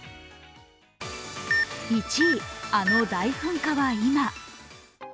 １位、あの大噴火は今。